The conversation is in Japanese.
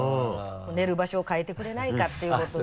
「寝る場所を変えてくれないか」ていうことで。